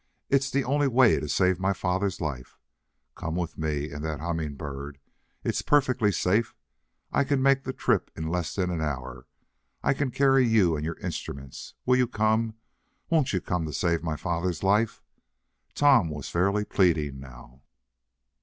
It's the only way to save my father's life. Come with me in the Humming Bird. It's perfectly safe. I can make the trip in less than an hour. I can carry you and your instruments. Will you come? Won't you come to save my father's life?" Tom was fairly pleading now.